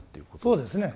そうですね。